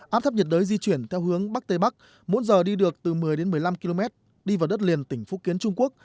áp thấp nhiệt đới di chuyển theo hướng bắc tây bắc